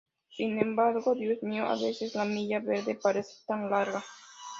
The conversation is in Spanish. Sin embargo, Dios mío, a veces la milla verde parece tan larga..."".